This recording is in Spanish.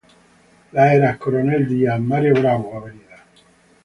Las Heras, Coronel Díaz, Mario Bravo, Av.